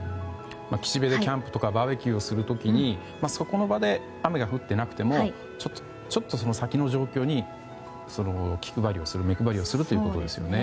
岸辺でキャンプとかバーベキューをする時にそこの場で雨が降っていなくてもちょっと、その先の状況に気配りをする目配りをするということですね。